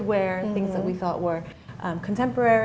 hal hal yang kita pikirkan adalah kontemporer